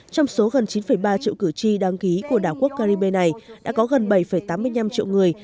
trong số gần chín ba triệu cử tri đăng ký của đảo quốc caribe này đã có gần bảy tám mươi năm triệu người